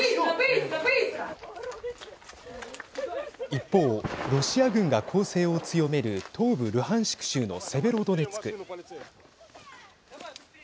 一方、ロシア軍が攻勢を強める東部ルハンシク州のセベロドネツク。